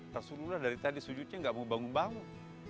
rasulullah dari tadi sujudnya nggak mau bangun bangun